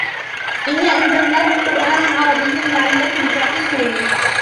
إنا أنزلناه قرآنا عربيا لعلكم تعقلون